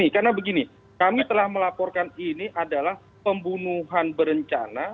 karena begini kami telah melaporkan ini adalah pembunuhan berencana